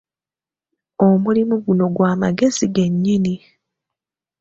Omulimu guno gwa magezi gennyini.